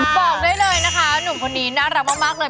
บอกได้เลยนะคะหนุ่มคนนี้น่ารักมากเลย